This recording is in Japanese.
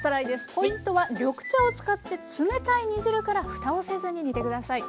ポイントは緑茶を使って冷たい煮汁からふたをせずに煮て下さい。